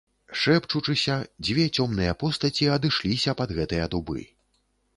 Шэпчучыся, дзве цёмныя постаці адышліся пад гэтыя дубы.